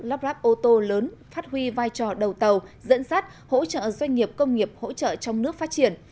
lắp ráp ô tô lớn phát huy vai trò đầu tàu dẫn sát hỗ trợ doanh nghiệp công nghiệp hỗ trợ trong nước phát triển